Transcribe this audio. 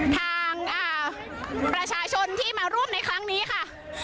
ทางประชาชนที่มาร่วมในครั้งนี้ค่ะ